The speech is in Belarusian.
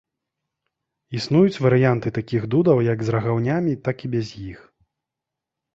Існуюць варыянты такіх дудаў як з рагаўнямі, гэтак і без іх.